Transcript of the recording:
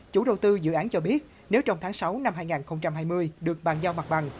chủ đầu tư dự án cho biết nếu trong tháng sáu năm hai nghìn hai mươi được bàn giao mặt bằng